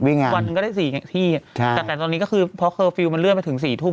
วันนึงก็ได้๔ที่แต่ตอนนี้ก็คือเพราะเคอร์ฟิลล์มันเลื่อนไปถึง๔ทุ่ม